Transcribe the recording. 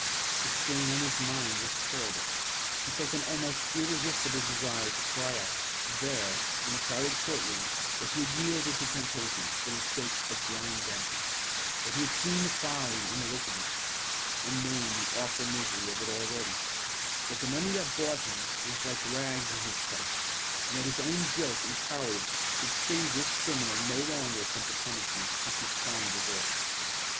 The strain on his mind was terrible. He felt an almost irresistible desire to cry out, there, in the crowded court room, that he had yielded to temptation for the sake of blind Bennie; that he had seen the folly and the wickedness, and known the awful misery of it already; that the money that bought him was like rags in his sight; and that his own guilt and cowardice should save this criminal no longer from the punishment which his crime deserved.